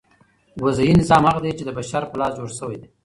وضعي نظام هغه دئ، چي د بشر په لاس جوړ سوی دئ.